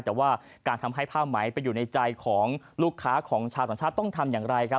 แต่ว่าการทำให้ผ้าไหมไปอยู่ในใจของลูกค้าของชาวต่างชาติต้องทำอย่างไรครับ